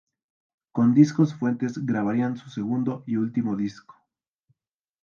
Con Discos Fuentes grabarían su segundo y último disco.